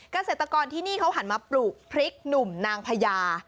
เกษตรกรที่นี่เขาหันมาปลูกพริกหนุ่มนางพญา